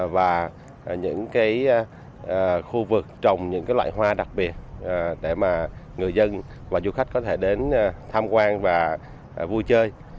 và những khu vực trồng những loại hoa đặc biệt để người dân và du khách có thể đến tham quan và vui chơi